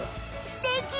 すてき！